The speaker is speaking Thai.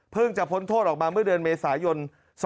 จะพ้นโทษออกมาเมื่อเดือนเมษายน๒๕๖